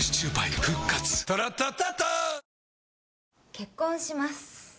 結婚します。